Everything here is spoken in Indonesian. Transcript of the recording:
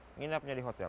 menginapnya di hotel